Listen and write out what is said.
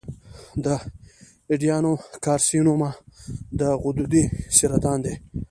د ایڈینوکارسینوما د غدودي سرطان دی.